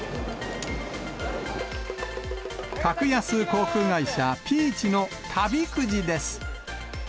格安航空会社、Ｐｅａｃｈの旅くじです。